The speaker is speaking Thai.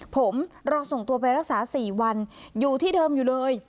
ผมรอส่งตัวไปรักษา๔วันอยู่ที่เดิมอยู่เลย